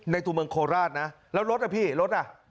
ตัวเมืองโคราชนะแล้วรถอ่ะพี่รถอ่ะ